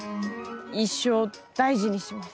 一生大事にします。